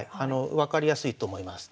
分かりやすいと思います。